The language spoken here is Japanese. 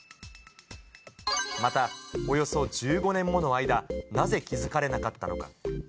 またおよそ１５年もの間、なぜ気付かれなかったのか。